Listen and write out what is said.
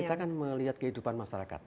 kita kan melihat kehidupan masyarakat